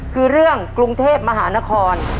คือเรื่องกรุงเทพมหานคร